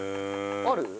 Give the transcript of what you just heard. ある？